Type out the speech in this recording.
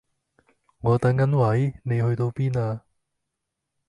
我等緊位，你去到邊呀